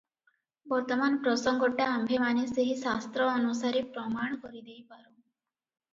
ବର୍ତ୍ତମାନ ପ୍ରସଙ୍ଗଟା ଆମ୍ଭେମାନେ ସେହି ଶାସ୍ତ୍ର ଅନୁସାରେ ପ୍ରମାଣ କରିଦେଇପାରୁଁ ।